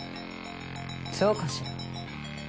そうかしら？